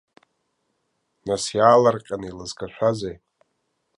Нас, иаалырҟьаны илызкашәазеи?!